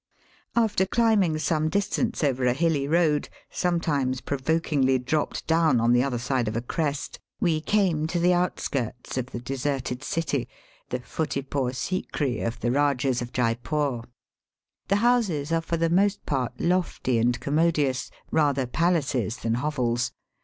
After climbing some distance over a hilly road, sometimes provokingly dropped down on the other side of a crest, we came to the out skirts of the deserted city, the Futtipore Sikri of the Kajahs of Jeypore. The houses are for the most part lofty and commodious, rather palaces than hovels.